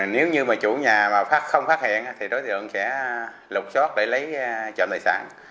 nếu như mà chủ nhà mà không phát hiện thì đối tượng sẽ lục xót để lấy trộm tài sản